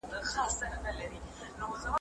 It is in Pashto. څېړونکي وايي وینه د راتلونکې لپاره مهمه ده.